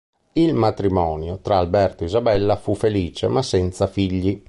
Il matrimonio tra Alberto e Isabella fu felice ma senza figli.